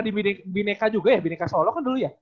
di bineka juga ya bineka solo kan dulu ya